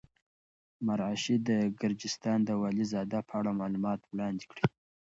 مرعشي د ګرجستان د والي زاده په اړه معلومات وړاندې کړي.